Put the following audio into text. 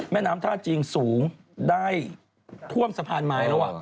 แม่น้ำท่าจีนสูงได้ท่วมสะพานไม้แล้ว